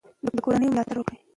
د کورنیو ملاتړ وکړئ.